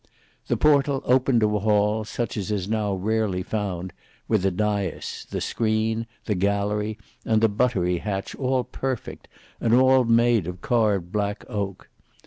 The portal opened to a hall, such as is now rarely found; with the dais, the screen, the gallery, and the buttery hatch all perfect, and all of carved black oak.